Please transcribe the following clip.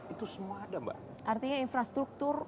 itu semua ada mbak artinya infrastruktur